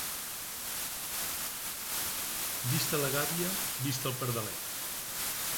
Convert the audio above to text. Vista la gàbia, vist el pardalet.